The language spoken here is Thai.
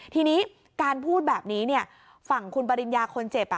ทีนี้การพูดแบบนี้ฝั่งคุณปริญญาคนเจ็บ